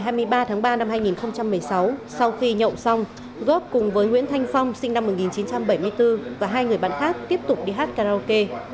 vào ngày ba tháng ba năm hai nghìn một mươi sáu sau khi nhậu xong gốp cùng với nguyễn thanh phong sinh năm một nghìn chín trăm bảy mươi bốn và hai người bạn khác tiếp tục đi hát karaoke